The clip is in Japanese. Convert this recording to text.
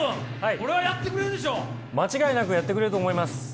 間違いなくやってくれると思います。